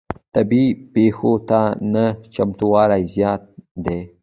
طبیعي پیښو ته نه چمتووالی زیان دی.